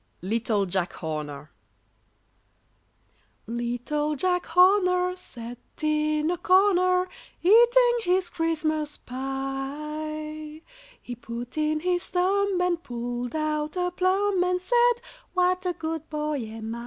Little Jack Horner sat in a corner, Eating his Christmas Pie; He put in his thumb, and pulled out a plum, And said, "What a good boy am I!"